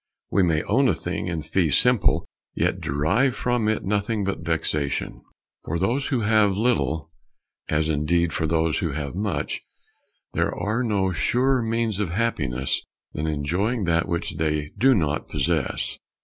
We may own a thing in fee simple, yet derive from it nothing but vexation. For those who have little, as indeed for those who have much, there are no surer means of happiness than enjoying that which they do not possess.